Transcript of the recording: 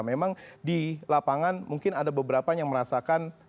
memang di lapangan mungkin ada beberapa yang merasakan